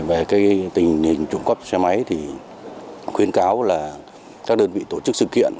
về tình hình trụng cắp xe máy thì khuyên cáo là các đơn vị tổ chức sự kiện